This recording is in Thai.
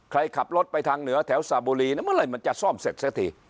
ขับรถไปทางเหนือแถวสระบุรีเมื่อไหร่มันจะซ่อมเสร็จเสียที